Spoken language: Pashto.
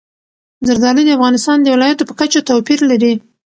زردالو د افغانستان د ولایاتو په کچه توپیر لري.